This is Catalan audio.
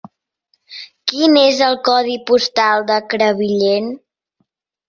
Quin és el codi postal de Crevillent?